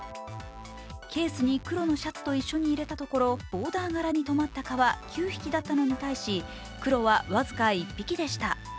ケースに黒のシャツと一緒に入れたところボーダー柄に止まった蚊は９匹だったのに対し、黒はわずか１匹でした。